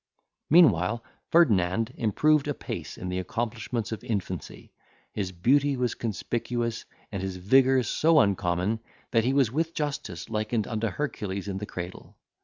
Meanwhile, Ferdinand improved apace in the accomplishments of infancy; his beauty was conspicuous, and his vigour so uncommon, that he was with justice likened unto Hercules in the cradle.